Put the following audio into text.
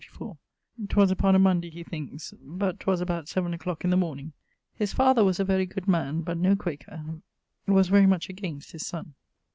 'Twas upon a Monday he thinkes; but 'twas about 7 a clock in the morning. (His father was a very good man, but no Quaker; was very much against his sonne.)